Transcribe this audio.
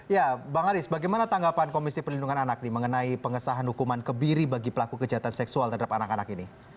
ya bang aris bagaimana tanggapan komisi perlindungan anak mengenai pengesahan hukuman kebiri bagi pelaku kejahatan seksual terhadap anak anak ini